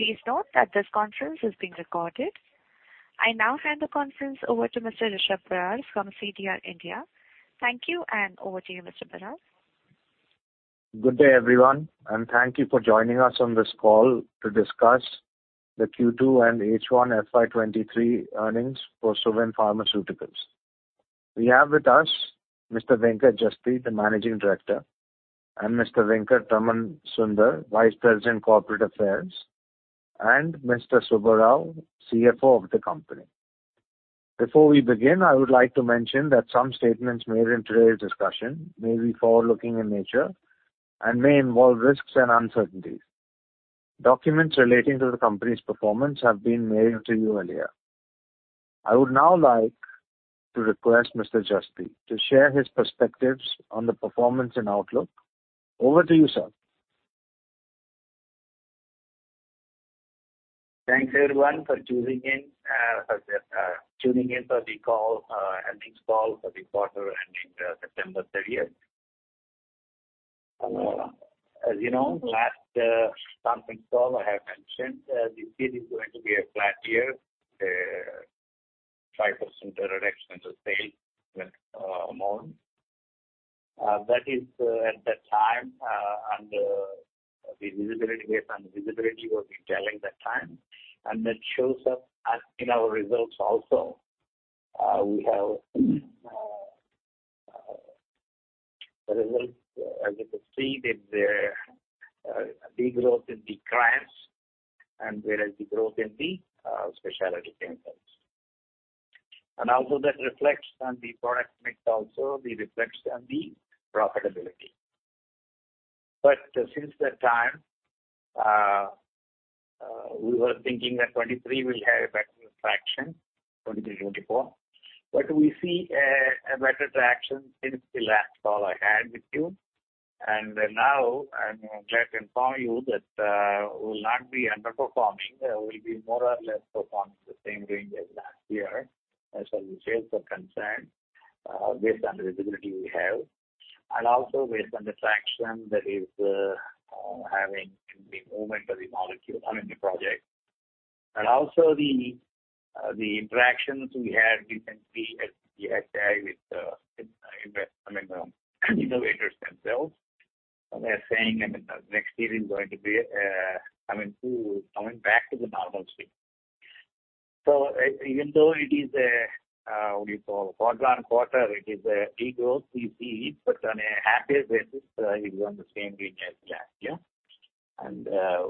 Please note that this conference is being recorded. I now hand the conference over to Mr. Rishabh Barar from CDR India. Thank you, and over to you, Mr. Barar. Good day, everyone, and thank you for joining us on this call to discuss the Q2 and H1 FY 2023 earnings for Cohance Lifesciences. We have with us Mr. Venkateswarlu Jasti, the Managing Director, and Mr. Venkatraman Sunder, Vice President, Corporate Affairs, and Mr. Subba Rao, CFO of the company. Before we begin, I would like to mention that some statements made in today's discussion may be forward-looking in nature and may involve risks and uncertainties. Documents relating to the company's performance have been mailed to you earlier. I would now like to request Mr. Jasti to share his perspectives on the performance and outlook. Over to you, sir. Thanks everyone for tuning in for the call, earnings call for the quarter ending September 30th. As you know, last conference call I have mentioned this year is going to be a flat year, 5% reduction in sales amount. That is at that time, and the visibility based on the visibility we had at that time, and that shows up in our results also. We have the results, as you can see that there de-growth in the CRAMS and whereas the growth in the specialty chemicals. Also that reflects on the product mix also, it reflects on the profitability. Since that time we were thinking that 2023 will have a better traction, 2023-2024. We see better traction since the last call I had with you. Now I'm glad to inform you that we'll not be underperforming. We'll be more or less performing the same range as last year as far as the sales are concerned, based on the visibility we have. Also based on the traction that is having in the movement of the project. Also the interactions we had recently at the CPHI with the innovators themselves. They're saying, I mean, next year is going to be coming back to the normal state. Even though it is quarter-on-quarter it is a de-growth we see, but on a half year basis is on the same range as last year.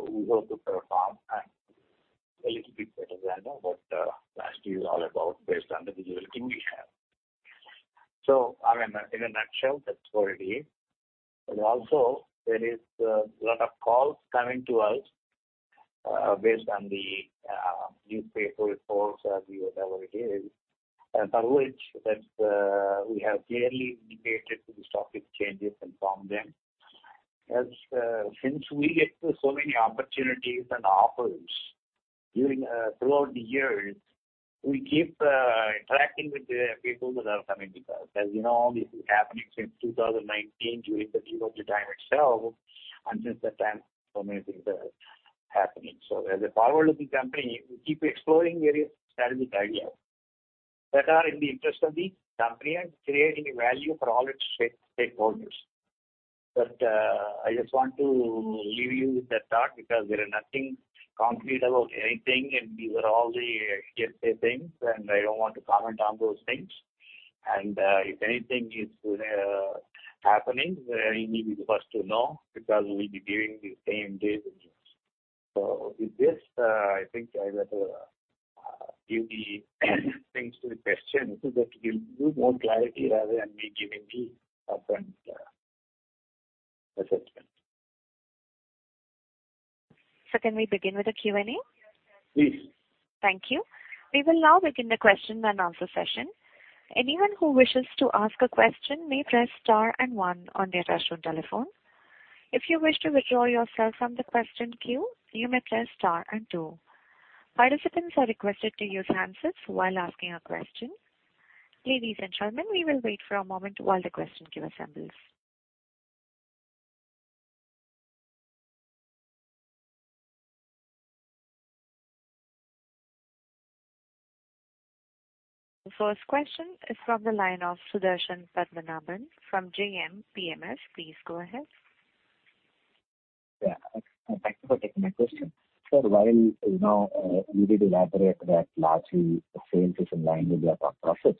We hope to perform a little bit better than what last year is all about based on the visibility we have. I mean, in a nutshell, that's what it is. There is a lot of calls coming to us based on the newspaper reports or whatever it is, and through which we have clearly indicated to the stock exchanges, informed them. Since we get so many opportunities and offers throughout the years, we keep interacting with the people that are coming because as you know this is happening since 2019 during the COVID time itself, and since that time so many things are happening. As a forward-looking company, we keep exploring various strategic ideas that are in the interest of the company and creating value for all its stakeholders. I just want to leave you with that thought because there's nothing concrete about anything and these are all the if-then things, and I don't want to comment on those things. If anything is happening, you'll be the first to know because we'll be giving the news the same day. With this, I think I'd rather open the floor to the questions so that we'll give more clarity rather than me giving the upfront assessment. Can we begin with the Q&A? Please. Thank you. We will now begin the question and answer session. Anyone who wishes to ask a question may press star and one on their touch-tone telephone. If you wish to withdraw yourself from the question queue, you may press star and two. Participants are requested to use handsets while asking a question. Ladies and gentlemen, we will wait for a moment while the question queue assembles. The first question is from the line of Sudarshan Padmanabhan from JM Financial. Please go ahead. Yeah. Thank you for taking my question. Sir, while you know you did elaborate that largely the sales is in line with your top progress.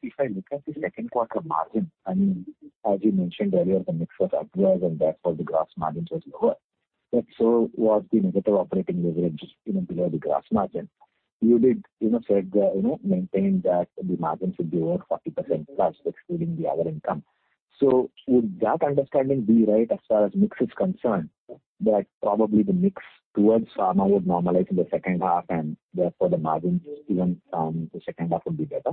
If I look at the second quarter margin, I mean, as you mentioned earlier, the mix was adverse and therefore the gross margins was lower. So was the negative operating leverage just you know below the gross margin. You did you know said you know maintained that the margin should be over 40%+ excluding the other income. Would that understanding be right as far as mix is concerned? That probably the mix towards pharma would normalize in the second half, and therefore the margins even in the second half would be better.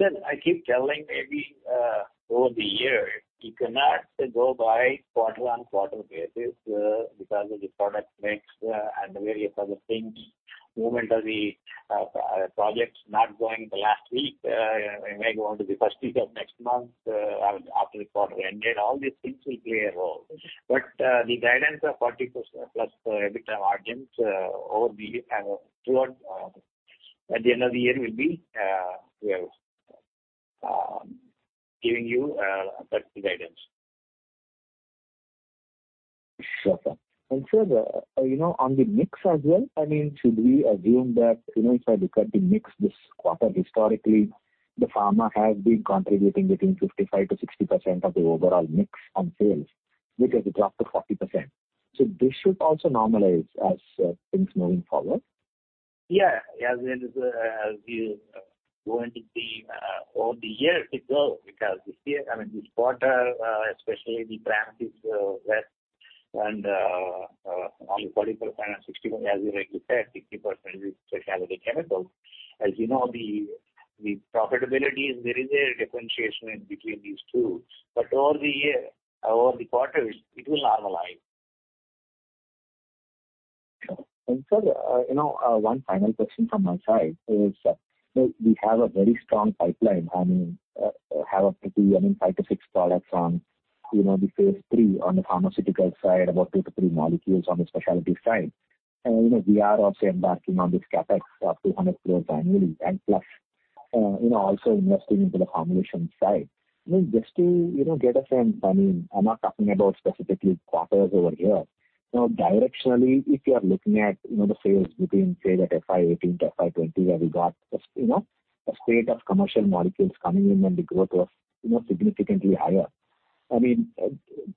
I keep telling everyone over the year, you cannot go by quarter-on-quarter basis because of the product mix and various other things. Many of the projects not going in the last week. It may go into the first week of next month or after the quarter ended. All these things will play a role. The guidance of 40%+ EBITDA margins over the year and throughout at the end of the year will be. We are giving you that guidance. Sure, sir. Sir, you know, on the mix as well, I mean, should we assume that, you know, if I look at the mix this quarter, historically, the pharma has been contributing between 55%-60% of the overall mix on sales because it dropped to 40%. This should also normalize as things moving forward. Yeah. As well as we go into the over the year it will grow because this year, I mean, this quarter, especially the trend is only 40% and 60%. As you rightly said, 60% is specialty chemicals. As you know, the profitability is there is a differentiation between these two. Over the year, over the quarters, it will normalize. Sure. Sir, you know, one final question from my side is, you know, we have a very strong pipeline. I mean, have up to 5 products-6 products on the phase III on the pharmaceutical side, about 2 molecules-3 molecules on the specialty side. You know, we are also embarking on this CapEx of 200 crores annually. Plus, you know, also investing into the formulation side. I mean, just to get us in. I mean, I'm not talking about specifically quarters over here. You know, directionally, if you are looking at the sales between, say, that FY 2018 to FY 2020, where we got just a spate of commercial molecules coming in and the growth was significantly higher. I mean,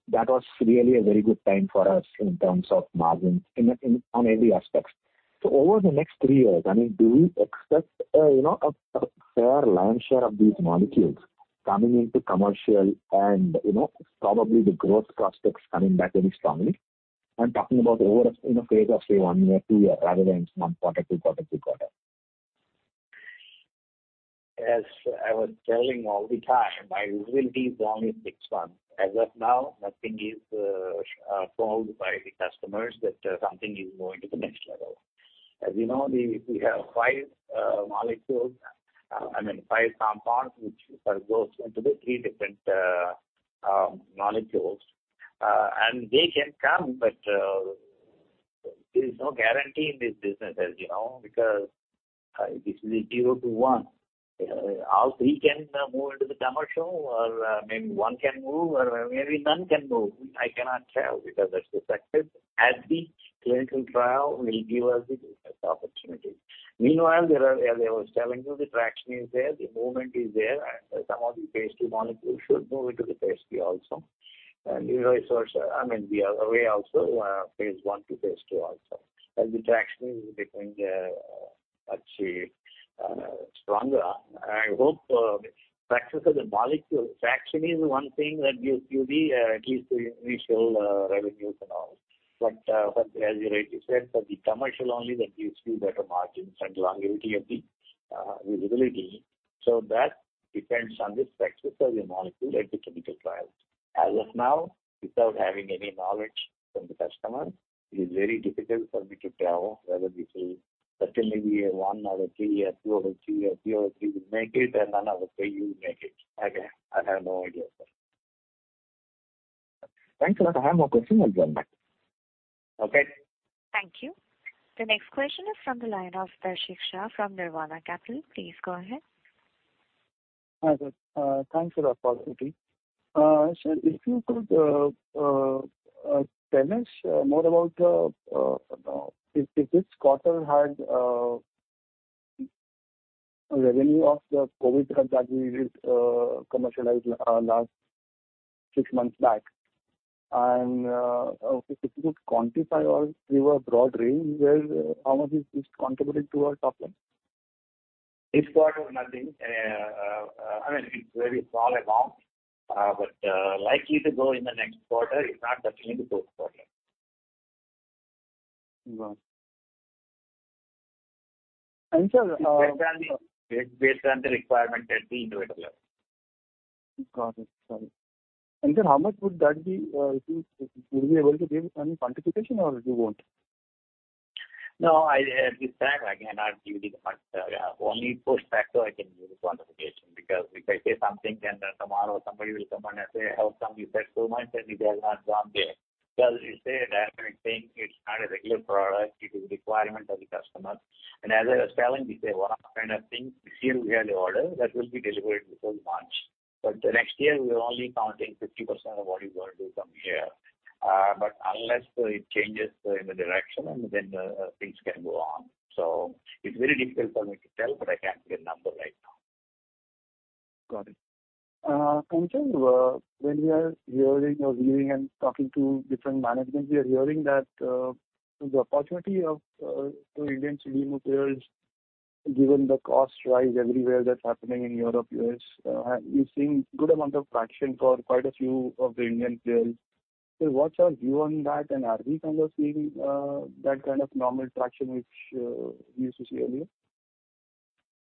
that was really a very good time for us in terms of margins in on every aspects. Over the next three years, I mean, do we expect, you know, a fair lion's share of these molecules coming into commercial and, you know, probably the growth prospects coming back very strongly? I'm talking about over a you know phase of, say, one year, two year, rather than quarter-to-quarter. As I was telling all the time, my visibility is only six months. As of now, nothing is sold by the customers that something is going to the next level. As you know, we have five molecules, I mean five compounds which further goes into the three different molecules. They can come, but there is no guarantee in this business, as you know, because this is a zero to one. All three can move into the commercial or maybe one can move or maybe none can move. I cannot tell because that's the success. As the clinical trial will give us the opportunity. Meanwhile, there are. As I was telling you, the traction is there, the movement is there, and some of the phase II molecules should move into the phase III also. The reverse also. I mean, the other way also, phase I to phase II also. As the traction is becoming, actually, stronger. I hope, success of the molecule. Traction is one thing that gives you the, at least the initial, revenues and all. But, as you rightly said, for the commercial only that gives you better margins and longevity of the, visibility. So that depends on the success of the molecule at the clinical trial. As of now, without having any knowledge from the customers, it is very difficult for me to tell whether this is certainly a 1/2 or 2/3 or 3/3 will make it, and none of the three will make it. I have no idea, sir. Thanks a lot. I have no question. I'll join back. Okay. Thank you. The next question is from the line of Darshit Shah from Nirvana Financial Solutions. Please go ahead. Hi, good. Thanks for the opportunity. Sir, if you could tell us more about if this quarter had a revenue of the COVID drug that we commercialized last six months back. If you could quantify or give a broad range where how much is this contributing to our top line? This quarter nothing. I mean, it's very small amount, but likely to grow in the next quarter. It's not definitely this quarter. Wow. Sir, Based on the requirement at the individual level. Got it. Sorry. Sir, how much would that be? Would you be able to give any quantification or you won't? No, at this time, I cannot give you the quantification. Only post facto I can give you the quantification. Because if I say something, then tomorrow somebody will come and say, "How come you said so much and it has not gone there?" Because you say that kind of thing, it's not a regular product. It is requirement of the customer. As I was telling you, say one-off kind of thing, we still get the order. That will be delivered before March. The next year we are only counting 50% of what is going to come here. Unless it changes in the direction, and then things can go on. It's very difficult for me to tell, but I can't give a number right now. Got it. Sir, when we are hearing or viewing and talking to different management, we are hearing that the opportunity of the Indian CDMO players, given the cost rise everywhere that's happening in Europe, U.S., you're seeing good amount of traction for quite a few of the Indian players. What's your view on that? Are we kind of seeing that kind of normal traction which we used to see earlier?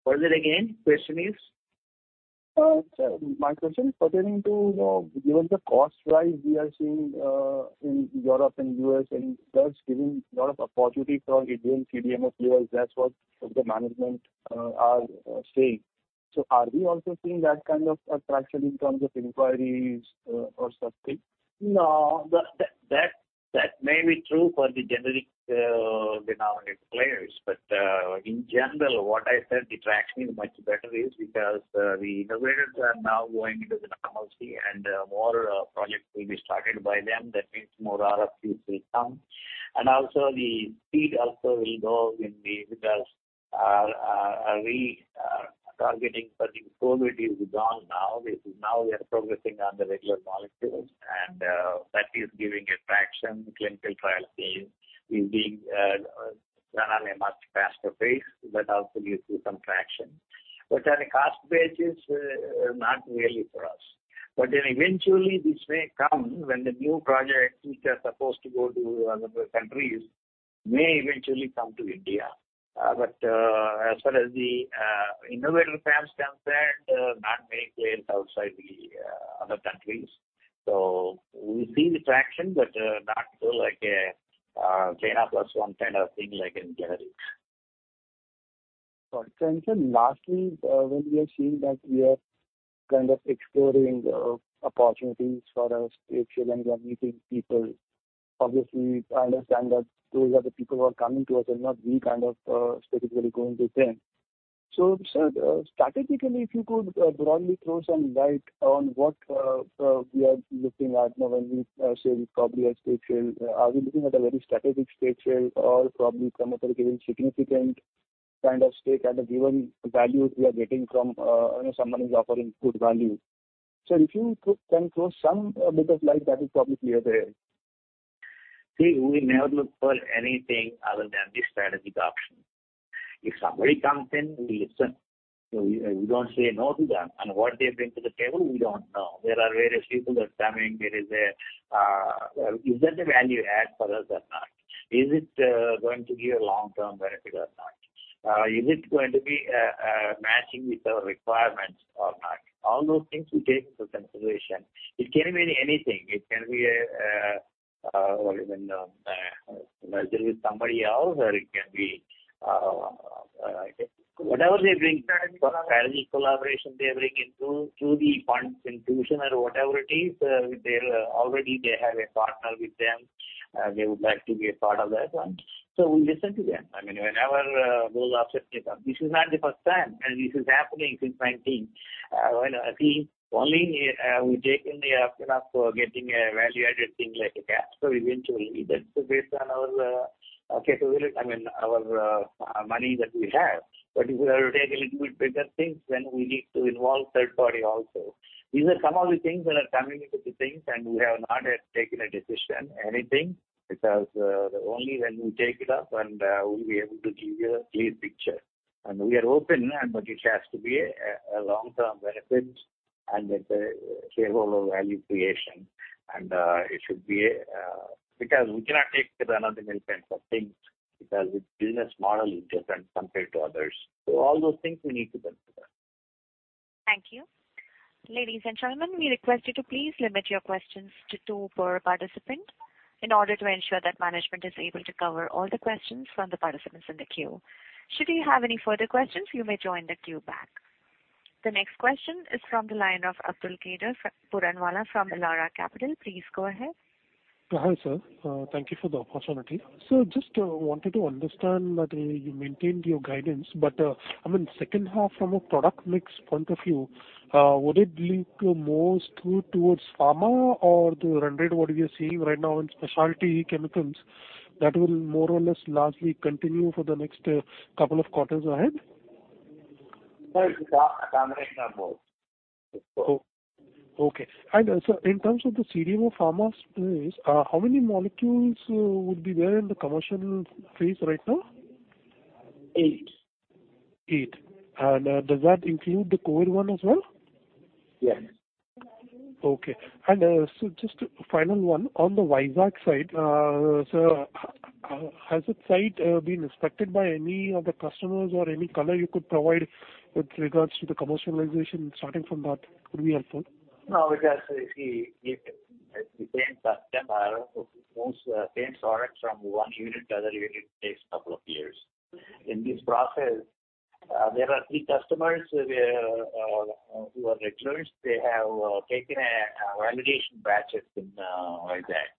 What is it again? Question is? Sir, my question is pertaining to, you know, given the cost rise we are seeing in Europe and U.S. and that's giving a lot of opportunity for Indian CDMO players. That's what the management are saying. Are we also seeing that kind of attraction in terms of inquiries or something? No. That may be true for the generic denominator players. In general, what I said, the traction is much better is because the innovators are now going into the normalcy and more projects will be started by them. That means more RFPs will come because targeting certain COVID is gone now. It is now we are progressing on the regular molecules, and that is giving a traction. Clinical trial phase is being run on a much faster pace. That also gives you some traction. On a cost basis, not really for us. Eventually this may come when the new projects which are supposed to go to other countries may eventually come to India. As far as the innovator firms comes in, not many players outside the other countries. We see the traction, but not so like a China Plus One kind of thing like in generics. Got it. Sir, lastly, when we are seeing that we are kind of exploring opportunities for us, if and when we are meeting people, obviously I understand that those are the people who are coming to us and not we kind of specifically going to them. Sir, strategically, if you could broadly throw some light on what we are looking at now when we say we probably have stake share. Are we looking at a very strategic stake share or probably some other given significant kind of stake at a given value we are getting from you know, someone is offering good value. If you could then throw some bit of light, that is probably okay. See, we never look for anything other than the strategic option. If somebody comes in, we listen. We don't say no to them. What they bring to the table, we don't know. There are various people that are coming. Is that a value add for us or not? Is it going to give a long-term benefit or not? Is it going to be matching with our requirements or not? All those things we take into consideration. It can mean anything. It can be a what do you mean merger with somebody else or it can be whatever they bring. Strategic collaboration. Strategic collaboration they bring in through the funds, institution or whatever it is. They already have a partner with them. They would like to be a part of that one. We listen to them. I mean, whenever those options may come. This is not the first time. This is happening since 2019. When I see only, we've taken the option of getting a value-added thing like a CapEx. Eventually that's based on our, so I mean, our money that we have. If we have to take a little bit bigger things, then we need to involve third party also. These are some of the things that are coming into the things, and we have not yet taken a decision, anything, because only when we take it up and we'll be able to give you a clear picture. We are open and but it has to be a long-term benefit and with a shareholder value creation. It should be a because we cannot take just another new kinds of things because the business model is different compared to others. All those things we need to look at. Thank you. Ladies and gentlemen, we request you to please limit your questions to two per participant in order to ensure that management is able to cover all the questions from the participants in the queue. Should you have any further questions, you may join the queue back. The next question is from the line of Abdulkader Puranwala from Elara Securities. Please go ahead. Hi, sir. Thank you for the opportunity. Just wanted to understand that you maintained your guidance, I mean, second half from a product mix point of view, would it lean more towards pharma or the run rate what we are seeing right now in specialty chemicals that will more or less largely continue for the next couple of quarters ahead? Right. Pharma is no more. Oh, okay. Sir, in terms of the CDMO pharma space, how many molecules would be there in the commercial phase right now? Eight. 8. Does that include the COVID one as well? Yes. Okay. Just final one. On the Vizag side, sir, has that site been inspected by any of the customers or any color you could provide with regards to the commercialization starting from that would be helpful. No, because if we change customer, most same products from one unit to other unit takes a couple of years. In this process, there are three customers, who are regulars. They have taken validation batches in Vizag.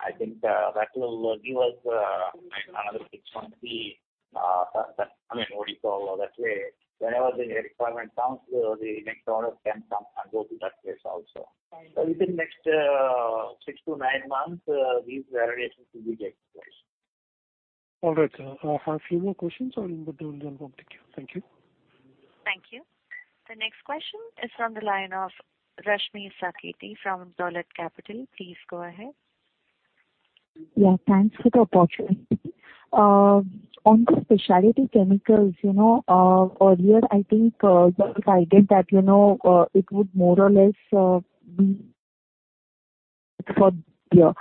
I think that will give us like another six months the, I mean, what you call, that way. Whenever the requirement comes, the next order can come and go to that place also. Within next 6 months-9 months, these validations will be getting placed. All right, sir. I have few more questions, but we'll jump off the queue. Thank you. Thank you. The next question is from the line of Rashmi Sancheti from Dolat Capital. Please go ahead. Yeah, thanks for the opportunity. On the specialty chemicals, you know, earlier I think you had guided that, you know, it would more or less be for the year.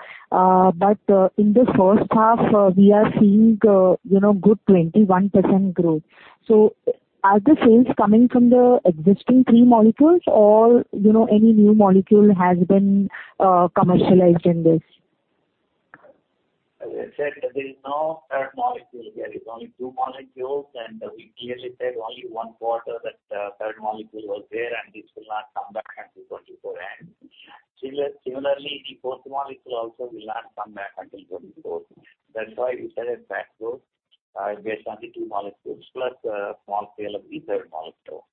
In the first half, we are seeing, you know, good 21% growth. Are the sales coming from the existing three molecules or, you know, any new molecule has been commercialized in this? As I said, there is no third molecule there. It's only two molecules, and we clearly said only one quarter that third molecule was there, and this will not come back until 2024 ends. Similarly, the fourth molecule also will not come back until 2024. That's why we said it's back load based on the two molecules, plus a small scale of the third molecule.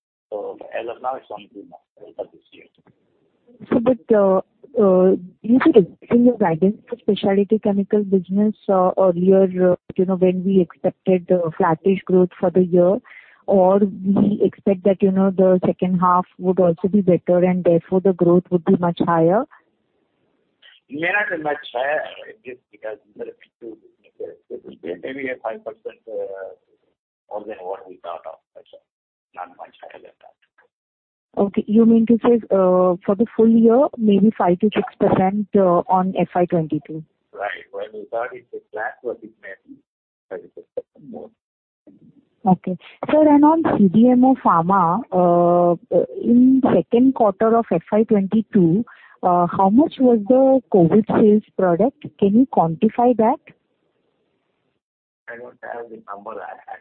As of now it's only two molecules for this year. Do you think in your guidance for specialty chemical business, earlier, you know, when we expected a flattish growth for the year, or we expect that, you know, the second half would also be better and therefore the growth would be much higher? may not be much higher just because there are a few businesses. There will be maybe a 5% more than what we thought of. That's all. Not much higher than that. Okay. You mean to say, for the full year, maybe 5%-6% on FY 2022? Right. When we started, the plan was it may be 5%-6% more. Okay. Sir, on CDMO pharma, in second quarter of FY 2022, how much was the COVID sales product? Can you quantify that? I don't have the number. I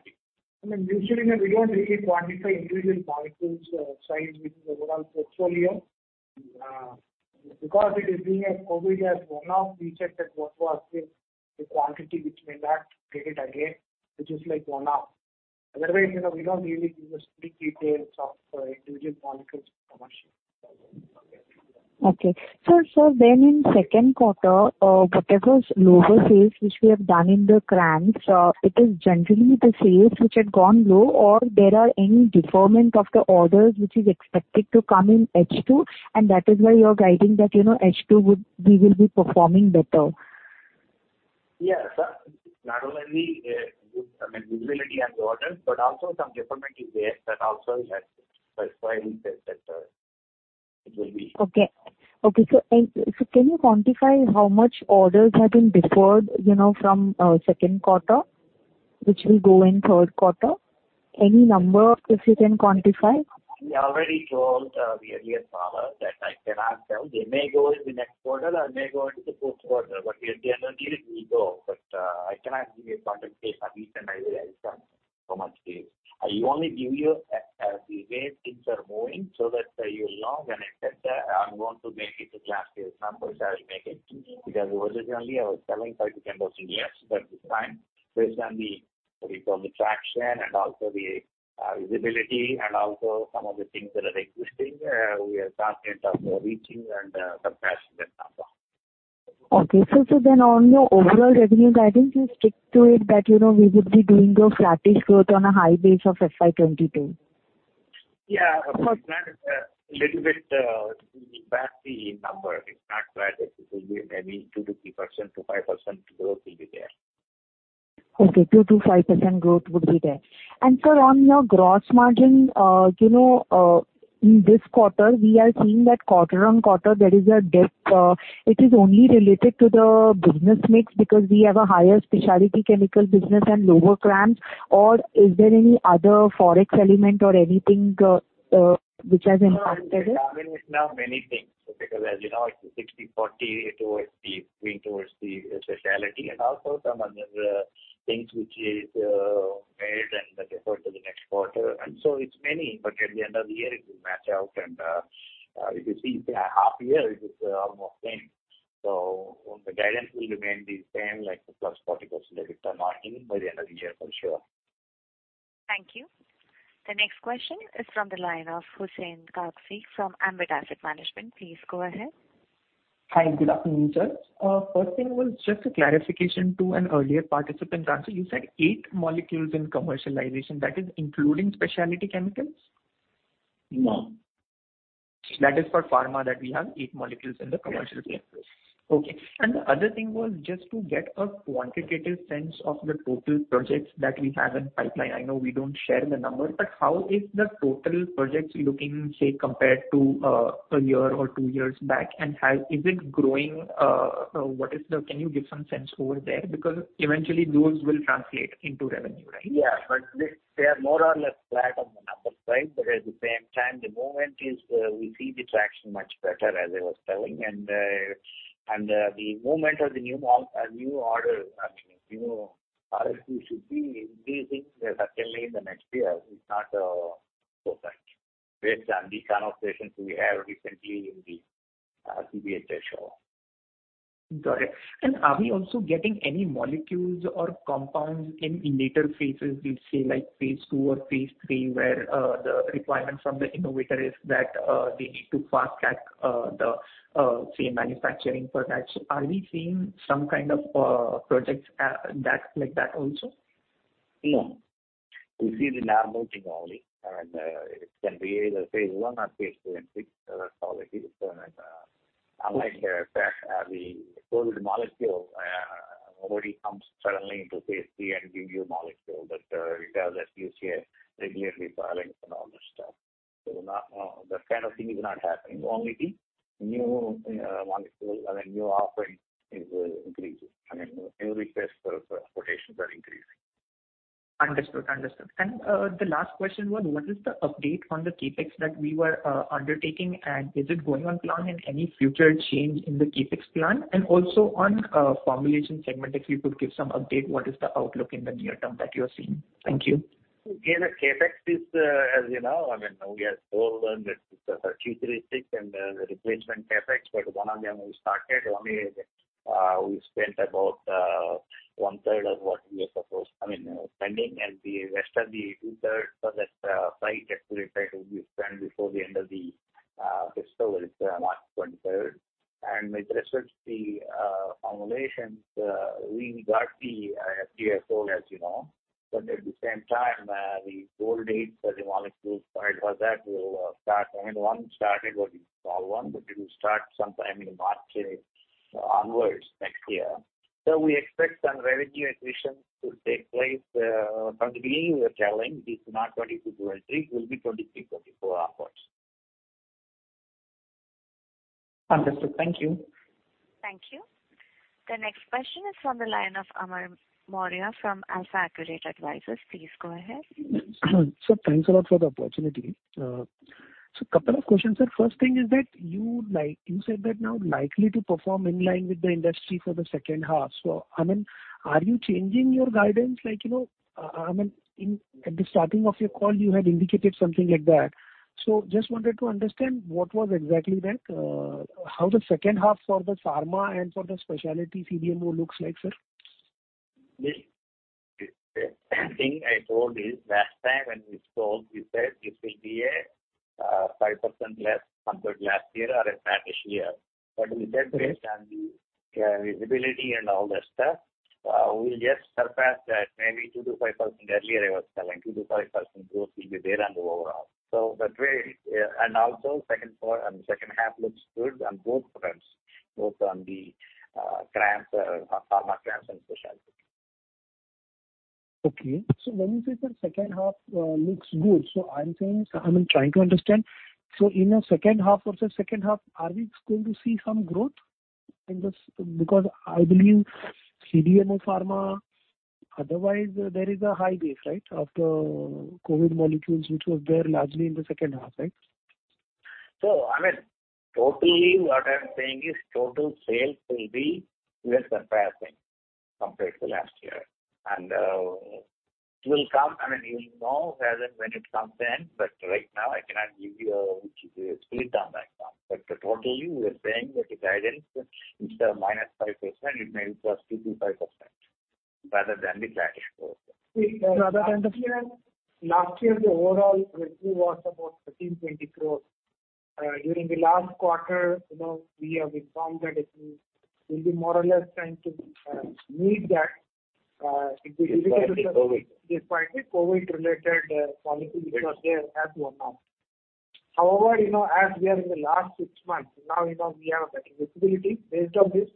mean, usually we don't really quantify individual molecules size with the overall portfolio. Because it is being a COVID as one-off, we checked that what was the quantity which we got, take it again, which is like one-off. Otherwise, you know, we don't really give the split details of individual molecules commercial. Okay. Sir, in second quarter, whatever is lower sales which we have done in the CRAMS, it is generally the sales which had gone low, or there are any deferment of the orders which is expected to come in H2, and that is why you're guiding that, you know, H2, we will be performing better. Yes. Not only with, I mean, visibility and orders, but also some deferment is there. That also we have to Can you quantify how much orders have been deferred, you know, from second quarter, which will go in third quarter? Any number if you can quantify? We already told the earlier caller that I cannot tell. They may go in the next quarter or may go into the fourth quarter. At the end of the year, it will go. I cannot give you a quantity of each and every item, how much sales. I only give you the way things are moving so that you'll know when I said that I'm going to make it to last year's numbers, I will make it. Because originally I was telling 5%-10%, yes. This time based on the, what you call, the traction and also the visibility and also some of the things that are existing, we are confident of reaching and surpassing that number. On your overall revenue guidance, you stick to it that, you know, we would be doing the flattish growth on a high base of FY 2022. Yeah. Of course not, little bit, we back the number. It's not flattish. It will be maybe 2%-3% to 5% growth will be there. Okay. 2%-5% growth would be there. Sir, on your gross margin, you know, in this quarter, we are seeing that quarter-on-quarter there is a dip. It is only related to the business mix because we have a higher specialty chemical business and lower CRAMS, or is there any other forex element or anything, which has impacted it? No, I mean, it's now many things. As you know, it's a 60/40 towards the lean towards the specialty and also some other things which is made and deferred to the next quarter. It's many, but at the end of the year it will match out. If you see half year, it is almost same. The guidance will remain the same, like the 40%+ EBITDA margin by the end of the year for sure. Thank you. The next question is from the line of Hussain Kagzi from Ambit Asset Management. Please go ahead. Hi. Good afternoon, sir. First thing was just a clarification to an earlier participant answer. You said eight molecules in commercialization. That is including specialty chemicals? No. That is for pharma that we have 8 molecules in the commercial phase. Yes. Okay. The other thing was just to get a quantitative sense of the total projects that we have in pipeline. I know we don't share the numbers, but how is the total projects looking, say, compared to a year or two years back? How is it growing? Can you give some sense over there? Because eventually those will translate into revenue, right? Yeah. They are more or less flat on the numbers, right? At the same time, the movement is, we see the traction much better as I was telling. The movement of the new order, I mean, new RFPs should be increasing certainly in the next year. It's not so bad based on the conversations we had recently in the CPHI show. Got it. Are we also getting any molecules or compounds in later phases? We'll say like phase II or phase III, where the requirement from the innovator is that they need to fast track the say manufacturing for that. Are we seeing some kind of projects that like that also? No. We see the lead routing only, and it can be either phase I or phase II entries. That's all it is. Unlike the COVID molecule, nobody comes suddenly to phase III and give you a molecule that regulatory filings and all that stuff. Not that kind of thing is not happening. Only the new molecule and a new offering is increasing. I mean, new requests for quotations are increasing. Understood. The last question was, what is the update on the CapEx that we were undertaking, and is it going on plan and any future change in the CapEx plan? Also on formulation segment, if you could give some update, what is the outlook in the near term that you are seeing? Thank you. In CapEx, it's, as you know, I mean, we have sole and futuristic and the replacement CapEx, but we spent about 1/3 of what we were supposed to spend, I mean, and the rest of the 2/3 for that site, accelerated, will be spent before the end of the fiscal, which is March 2023. With respect to the formulations, we got the FDA approval, as you know. At the same time, the goal date for the molecules filed for that will start. I mean, we have started working on one, but it will start sometime in March onwards next year. We expect some revenue accretion to take place, from the beginning we are telling it's not 22.3%, it will be 23%-24% upwards. Understood. Thank you. Thank you. The next question is from the line of Amar Mourya from AlfAccurate Advisors. Please go ahead. Sir, thanks a lot for the opportunity. Couple of questions, sir. First thing is that you said that now likely to perform in line with the industry for the second half. I mean, are you changing your guidance? I mean, at the starting of your call, you had indicated something like that. Just wanted to understand what was exactly that. How the second half for the pharma and for the specialty CDMO looks like, sir. The same thing I told you last time when we spoke, we said it will be a 5% less compared to last year or a flattish year. With that based on the visibility and all that stuff, we'll just surpass that maybe 2%-5%. Earlier I was telling 2%-5% growth will be there overall. That way, and also second half looks good on both fronts, both on the CRAMS, pharma CRAMS and specialty. Okay. When you say the second half looks good. I'm saying, I mean, trying to understand. In a second half versus second half, are we going to see some growth in this? Because I believe CDMO pharma, otherwise there is a high base, right, of the COVID molecules, which was there largely in the second half, right? I mean, totally what I'm saying is total sales will be, we are surpassing compared to last year. It will come. I mean, you'll know rather when it comes in, but right now I cannot give you a split on that now. Totally we are saying that the guidance instead of -5% it may be +2%-5% rather than the flattish growth. Last year the overall revenue was about 1,320 crores. During the last quarter, you know, we have informed that it will be more or less trying to meet that, if we- Despite the COVID. Despite the COVID-related molecules which was there as one-off. However, you know, as we are in the last six months now, you know, we have better visibility. Based on this,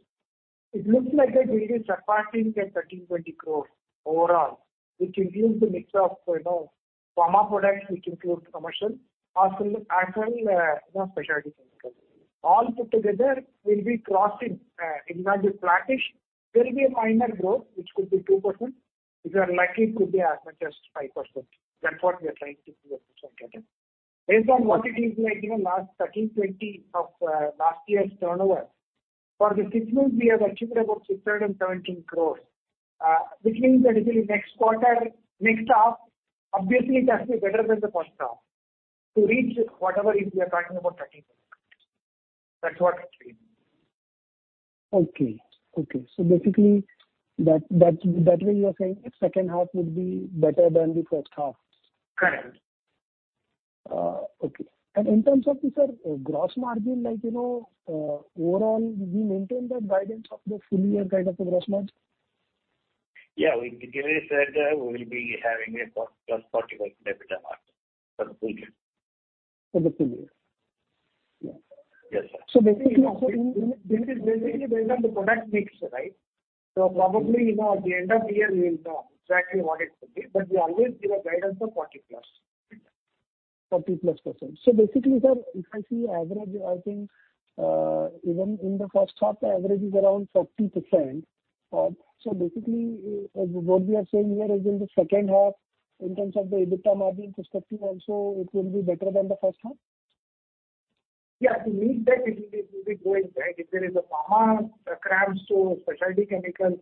it looks like that we'll be surpassing the 1,320 crores overall, which includes a mix of, you know, pharma products which include commercial as well, you know, specialty chemicals. All put together will be crossing, it will not be flattish. There will be a minor growth which could be 2%. If we are lucky, it could be as much as 5%. That's what we are trying to do at this point in time. Based on what it is like, you know, last 1,320 crores of, last year's turnover. For the six months we have achieved about 617 crores. Which means that if in next quarter, next half, obviously it has to be better than the first half to reach whatever it is we are talking about 1,320 crores. That's what it means. Okay. Basically that way you are saying second half would be better than the first half. Correct. Okay. In terms of the, sir, gross margin, like, you know, overall, we maintain that guidance of the full-year guide of the gross margin? Yeah. We clearly said that we will be having a 40%+ EBITDA margin for the full year. For the full year. Yes, sir. Basically This is basically based on the product mix, right? Probably, you know, at the end of the year we will know exactly what it will be. We always give a guidance of 40%+. 40%+. Basically, sir, if I see average, I think, even in the first half the average is around 40%. Basically, what we are saying here is in the second half in terms of the EBITDA margin perspective also it will be better than the first half? Yeah. To meet that it will be going back. If there is a pharma CRAMS or specialty chemicals,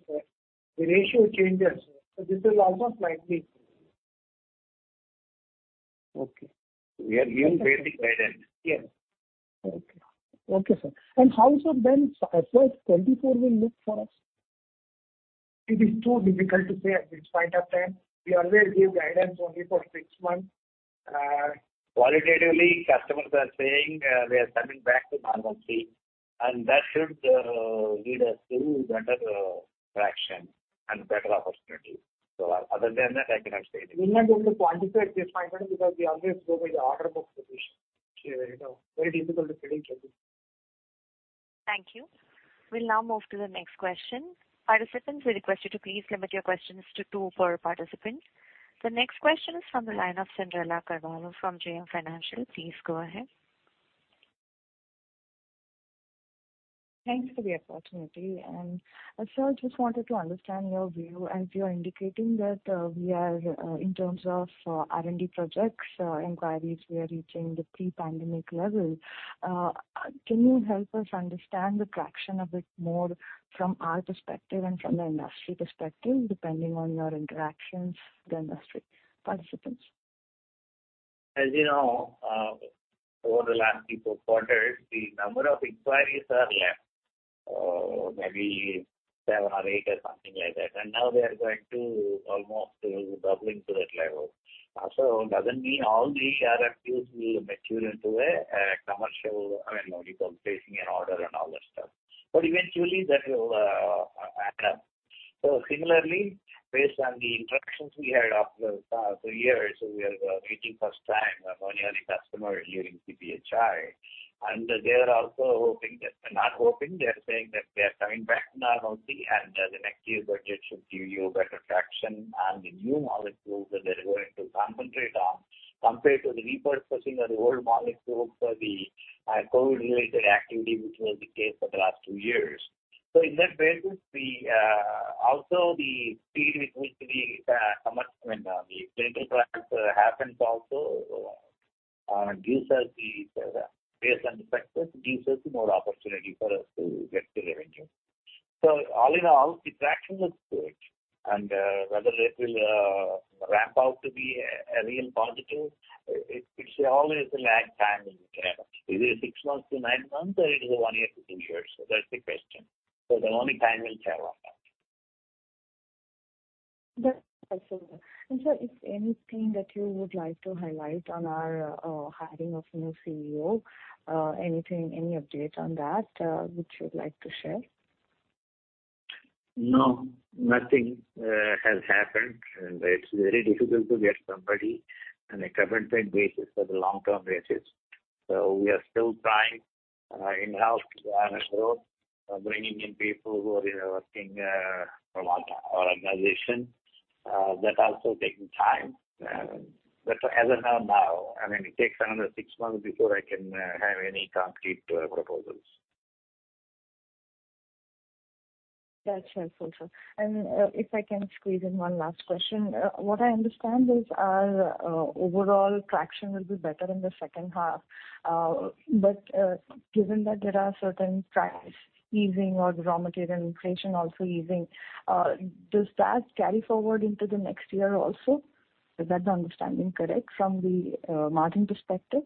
the ratio changes. This is also slightly. Okay. We are giving basic guidance. Yes. Okay. Okay, sir. How, sir, then FY 2024 will look for us? It is too difficult to say at this point of time. We always give guidance only for six months. Qualitatively, customers are saying, they are coming back to normalcy, and that should lead us to better traction and better opportunity. Other than that, I cannot say anything. We're not going to quantify at this point because we always go by the order book position. Okay. No, very difficult to predict, Kader. Thank you. We'll now move to the next question. Participants, we request you to please limit your questions to two per participant. The next question is from the line of Cyndrella Carvalho from JM Financial. Please go ahead. Thanks for the opportunity. Sir, just wanted to understand your view. As you're indicating that, we are, in terms of, R&D projects, inquiries, we are reaching the pre-pandemic level. Can you help us understand the traction a bit more from our perspective and from the industry perspective, depending on your interactions with the industry participants? As you know, over the last 3 quarters, 4 quarters, the number of inquiries are less. Maybe 7% or 8% or something like that. Now they are going to almost doubling to that level. Also, it doesn't mean all the RFQs will mature into a commercial. I mean, only placing an order and all that stuff. Eventually that will add up. Similarly, based on the interactions we had after 3 years, we are meeting first time only one customer during CPHI. They're also hoping that. Not hoping, they're saying that they are coming back to normalcy, and the next year budget should give you better traction. The new molecules that they're going to concentrate on compared to the repurposing of the old molecules for the COVID-related activity, which was the case for the last 2 years. In that vein, also the speed with which the commercial and the clinical trials happens also gives us, based on the success, more opportunity for us to get the revenue. All in all, the traction is good. Whether it will ramp up to be a real positive, it's always a lag time in biotech. Either 6 months-9 months, or it is 1 year-2 years. That's the question. Then only time will tell on that. That's helpful. Sir, if anything that you would like to highlight on our hiring of new CEO, anything, any update on that, which you would like to share? No, nothing has happened, and it's very difficult to get somebody on a permanent basis for the long-term basis. We are still trying in-house to have a growth, bringing in people who are, you know, working for our organization. That's also taking time. As of now, I mean, it takes another six months before I can have any concrete proposals. That's helpful, sir. If I can squeeze in one last question. What I understand is our overall traction will be better in the second half. Given that there are certain price easing or the raw material inflation also easing, does that carry forward into the next year also? Is that understanding correct from the margin perspective?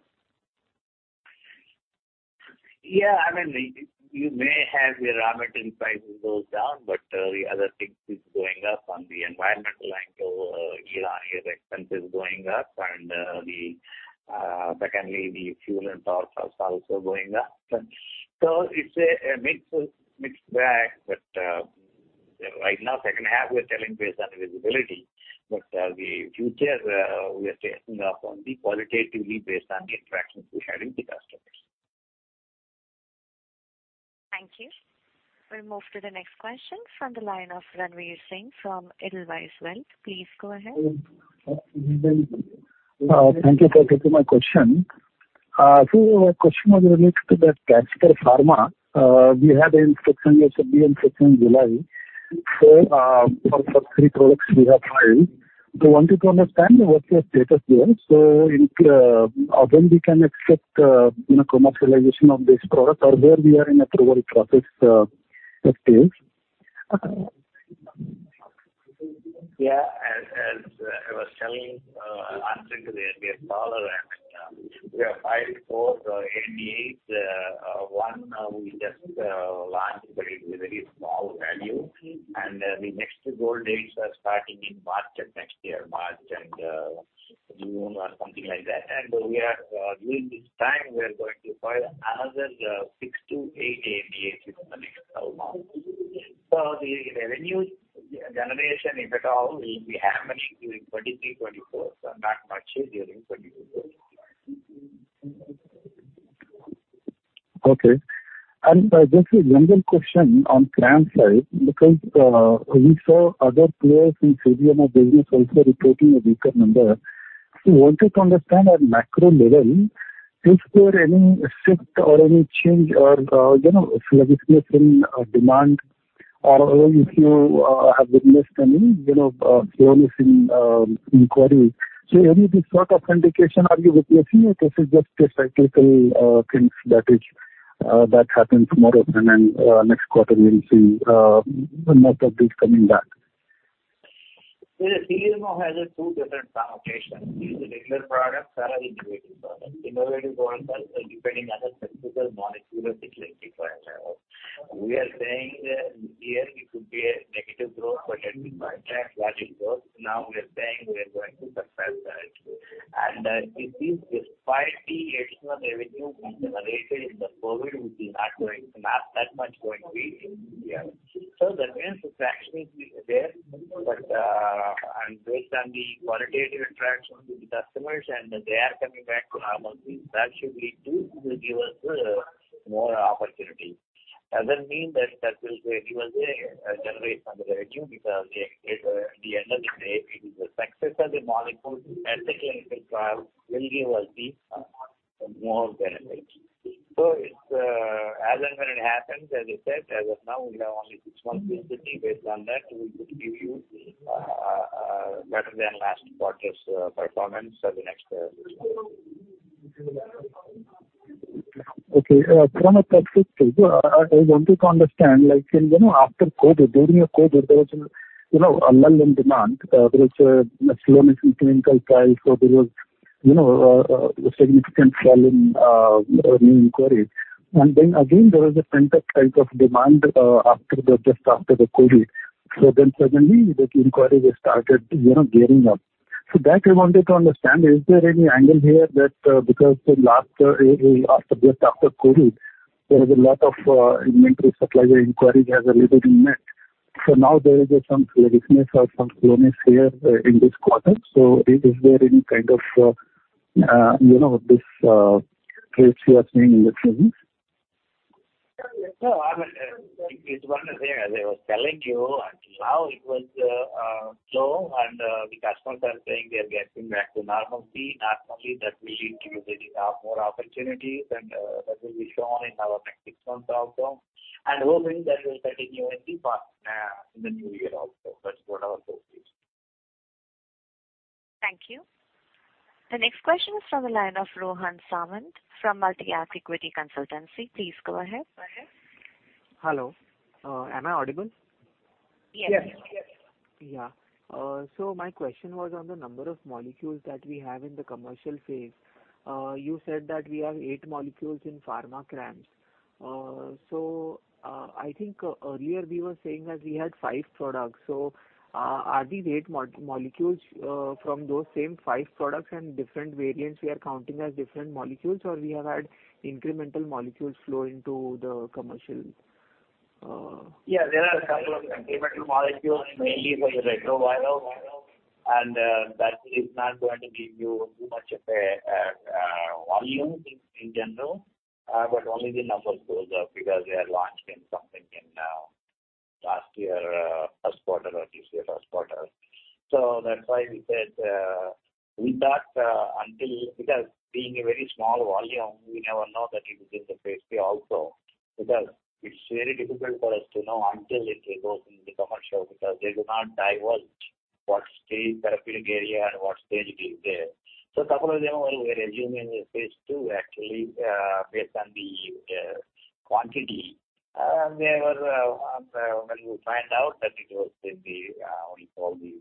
Yeah. I mean, you may have your raw material prices goes down, but the other things is going up. From the environmental angle, year-on-year expense is going up. Secondly, the fuel and power costs also going up. It's a mixed bag. Right now, second half we're telling based on visibility. The future, we are basing up on the qualitatively based on the interactions we had with the customers. Thank you. We'll move to the next question from the line of Ranvir Singh from Edelweiss Wealth. Please go ahead. Thank you for taking my question. Question was related to the Casper Pharma. We had the instruction, you said the instruction in July. For first three products we have filed. Wanted to understand what's your status there. In, when we can expect, you know, commercialization of this product or where we are in approval process, stage? Yeah. As I was telling, answering to the caller, I mean, we have filed for 4 NDAs. One we just launched, but it's a very small value. The next ANDAs are starting in March of next year. March and June or something like that. During this time, we are going to file another 6-8 NDAs within the next 12 months. The revenue generation, if at all, will be happening during 2023, 2024. Not much during 2022. Okay. Just a general question on client side, because we saw other players in CDMO business also reporting a weaker number. Wanted to understand at macro level, is there any shift or any change or, you know, sluggishness in demand or if you have witnessed any, you know, sluggish in inquiry. Any of this sort of indication are you witnessing or this is just a cyclical things that is that happens more often and next quarter we'll see more of this coming back? See, the CDMO has two different connotation. There's the regular products and innovative products. Innovative ones are depending on the clinical molecule at the clinical trial level. We are saying that here it could be a negative growth for technical contract, that it goes. Now we are saying we are going to surpass that. It is despite the additional revenue we generated in the COVID, which is not going to last that much going forward. That means the traction is there. And based on the qualitative interactions with the customers, and they are coming back to normalcy, that should lead to give us more opportunity. Doesn't mean that will really generate some revenue because at the end of the day, it is the success of the molecule at the clinical trial will give us the more benefit. It's as and when it happens, as I said, as of now we have only six months visibility. Based on that, we could give you better than last quarter's performance for the next six months. One of the things I wanted to understand, like in, you know, after COVID, during COVID there was, you know, a lull in demand. There was a slowness in clinical trials, so there was, you know, a significant fall in new inquiries. Then again there was a pent-up type of demand, after, just after COVID. Suddenly the inquiries started, you know, gearing up. That I wanted to understand, is there any angle here that because just after COVID there was a lot of inventory supplier inquiries has already been met. Now there is some slowness here in this quarter. Is there any kind of, you know, these trends you are seeing in the business? No. I mean, it's one of the. As I was telling you, until now it was slow and the customers are saying they are getting back to normalcy. Normally that will lead to maybe have more opportunities and that will be shown in our next six months outcome. Hoping that will continue in the new year also. That's what our hope is. Thank you. The next question is from the line of Rohan Samant from Multi-Act Equity Consultancy. Please go ahead. Hello. Am I audible? Yes. Yes. Yeah, my question was on the number of molecules that we have in the commercial phase. You said that we have eight molecules in pharma CRAMS. I think earlier we were saying that we had five products. Are these eight molecules from those same five products and different variants we are counting as different molecules, or we have had incremental molecules flow into the commercial? Yeah, there are couple of incremental molecules mainly for the antiviral, and that is not going to give you too much of a volume in general. Only the numbers goes up because they are launched in something in last year first quarter or this year first quarter. That's why we said we thought. Because being a very small volume, we never know that it is in the phase III also. Because it's very difficult for us to know until it goes into commercial because they do not divulge what stage therapeutic area and what stage it is there. Couple of them were assuming in the phase II actually, based on the quantity. They were when we find out that it was in the what you call the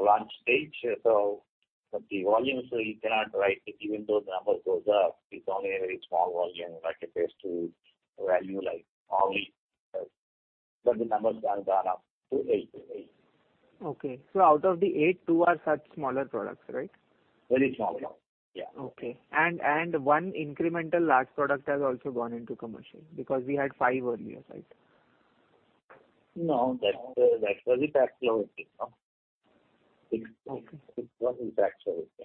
launch stage. The volumes you cannot write. Even though the numbers goes up, it's only a very small volume like a phase II value, like only, but the numbers have gone up to eight. Okay. Out of the eight, two are such smaller products, right? Very small products. Yeah. Okay. One incremental large product has also gone into commercial because we had five earlier, right? No, that's only Dextrose. It's only Dextrose.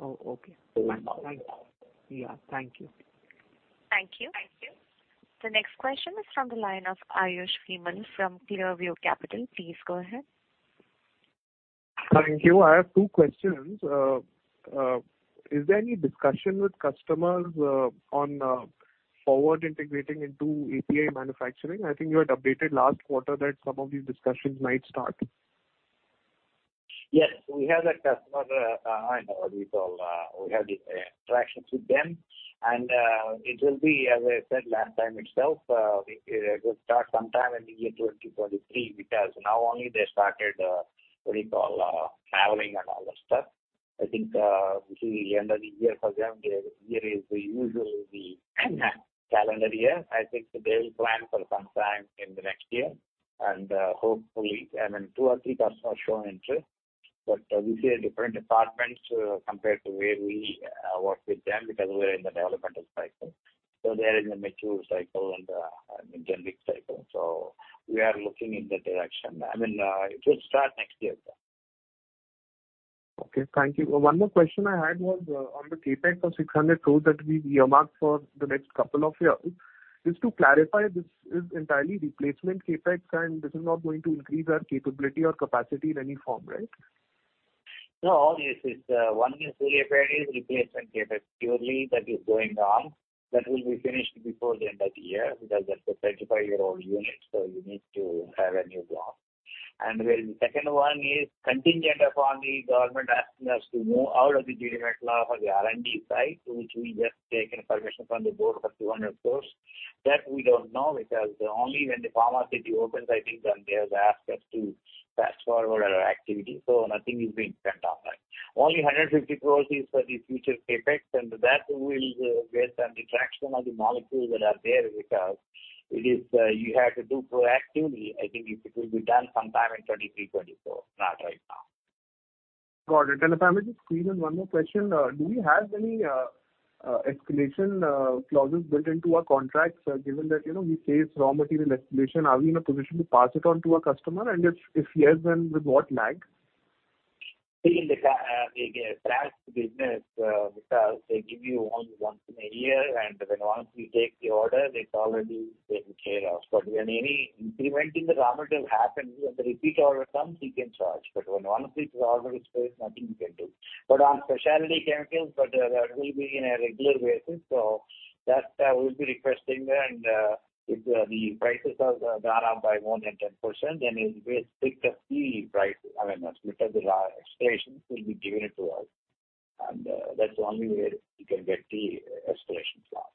Oh, okay. Thank you. Two small products. Yeah. Thank you. Thank you. The next question is from the line of Ayush Vimal from Clearview Capital. Please go ahead. Thank you. I have two questions. Is there any discussion with customers on forward integrating into API manufacturing? I think you had updated last quarter that some of these discussions might start. Yes. We have that customer, what you call, we have interactions with them. It will be, as I said last time itself, it will start sometime in the year 2023 because now only they started, what you call, traveling and all that stuff. I think this is the end of the year for them. Their year is the usual, the calendar year. I think they will plan for some time in the next year, and hopefully. I mean, two or three customers shown interest. We see in different departments, compared to where we work with them because we're in the developmental cycle. They're in the mature cycle and generic cycle. We are looking in that direction. I mean, it will start next year. Okay, thank you. One more question I had was on the CapEx of 600 crore that we've earmarked for the next couple of years. Just to clarify, this is entirely replacement CapEx and this is not going to increase our capability or capacity in any form, right? Yes, it's one is really a very replacement CapEx purely that is going on. That will be finished before the end of the year because that's a 35-year-old unit, so you need to have a new plant. The second one is contingent upon the government asking us to move out of the Jeedimetla R&D site, which we just taken permission from the board for 200 crore. That we don't know because only when the Pharma City opens, I think then they have asked us to fast-forward our activity, so nothing is being spent on that. Only 150 crore is for the future CapEx, and that will based on the traction of the molecules that are there because it is you have to do proactively. I think it will be done sometime in 2023, 2024, not right now. Got it. If I may just squeeze in one more question. Do we have any escalation clauses built into our contracts, given that, you know, we face raw material escalation? Are we in a position to pass it on to our customer? If yes, then with what lag? See, in the CRAMS business, because they give you once a year, and then once we take the order, it's already taken care of. When any increment in the raw material happens, when the repeat order comes, we can charge. When one of these orders is placed, nothing we can do. On specialty chemicals, that will be on a regular basis, so that will be requesting and, if the prices are gone up by more than 10%, then we'll pick the new price. I mean, because the raw material escalations will be given to us, and that's the only way we can get the escalations now.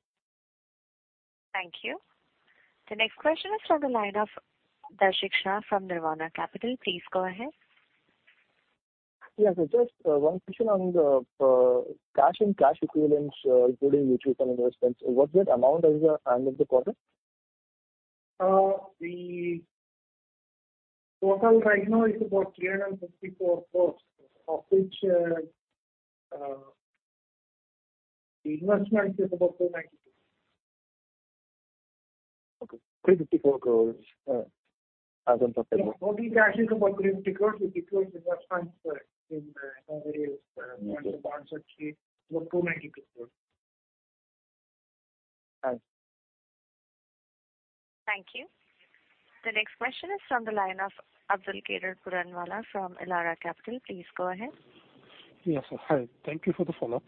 Thank you. The next question is from the line of Darshit Shah from Nirvana Capital. Please go ahead. Yes, sir. Just one question on the cash and cash equivalents, including mutual fund investments. What's that amount as at the end of the quarter? The total right now is about 354 crores, of which the investment is about 290 crores. Okay. 354 crores as on September. No, only cash is about INR 350 crores. The INR 350 crores investment in some various bonds or treasuries were INR 290 crores. All right. Thank you. The next question is from the line of Abdulkader Puranwala from Elara Securities. Please go ahead. Yes, sir. Hi. Thank you for the follow-up.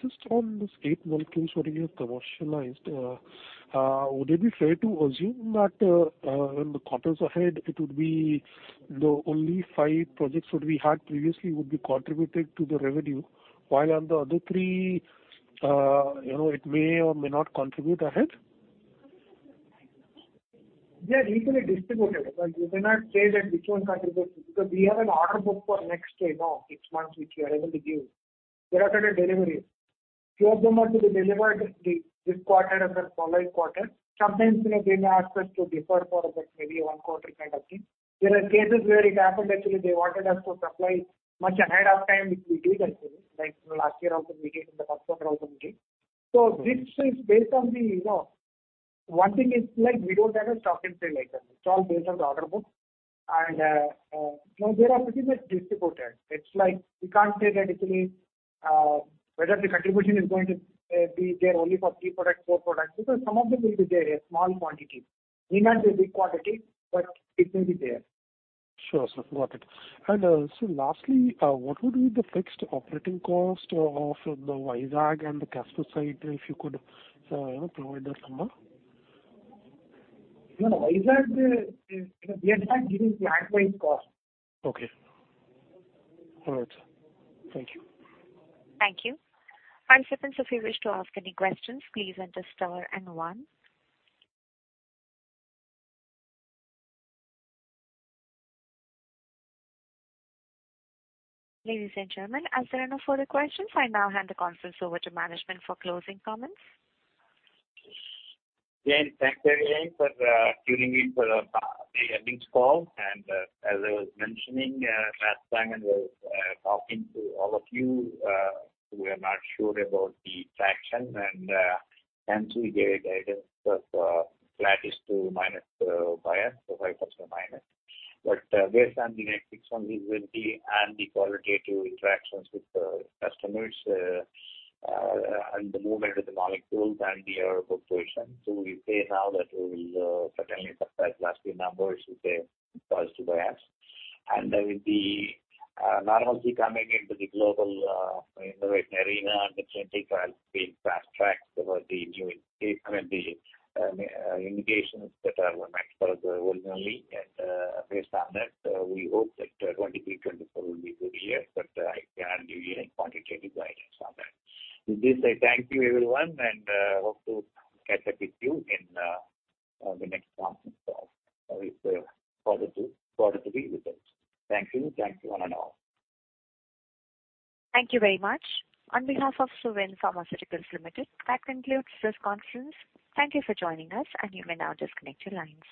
Just on these 8 molecules what you have commercialized, would it be fair to assume that in the quarters ahead, it would be the only 5 projects what we had previously would be contributed to the revenue, while on the other 3, you know, it may or may not contribute ahead? They are equally distributed. Like, you cannot say that which one contributes because we have an order book for next, you know, six months which we are able to give. They're under delivery. Few of them are to be delivered this quarter as well as following quarter. Sometimes they may ask us to defer for about maybe one quarter kind of thing. There are cases where it happened, actually, they wanted us to supply much ahead of time, which we did actually, like last year also we gave them, the first quarter also we gave. This is based on the, you know. One thing is like we don't have a stock and trade like that. It's all based on the order book. No, they are pretty much distributed. It's like you can't say that actually, whether the contribution is going to be there only for three products, four products, because some of them will be there, a small quantity. May not be a big quantity, but it will be there. Sure, sir. Got it. Lastly, what would be the fixed operating cost of the Vizag and the Casper site, if you could, you know, provide that number? No, Vizag, you know, we are not giving plant-wide cost. Okay. All right, sir. Thank you. Thank you. Operators, if you wish to ask any questions, please enter star and one. Ladies and gentlemen, as there are no further questions, I now hand the conference over to management for closing comments. Yeah, thanks everyone for tuning in for the earnings call. As I was mentioning last time when I was talking to all of you, we were not sure about the traction, and hence we gave a guidance that flat to minus 5%. Based on the next six months visibility and the qualitative interactions with the customers and the movement of the molecules and their book position. We say now that we will certainly surpass last year numbers with a positive bias. There will be normalcy coming into the global, you know, veterinary now and the genetic trials being fast-tracked over the new, current indications that are meant for us originally. Based on that, we hope that 2023, 2024 will be good years, but I cannot give you any quantitative guidance on that. With this, I thank you everyone and hope to catch up with you in the next conference call with positive results. Thank you. Thank you one and all. Thank you very much. On behalf of Cohance Lifesciences Limited, that concludes this conference. Thank you for joining us, and you may now disconnect your lines.